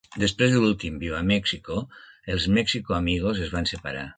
Després d'un últim "Viva Mexico", els Mexico Amigos es van separar.